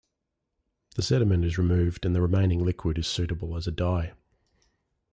The sediment is removed and the remaining liquid is suitable as a dye.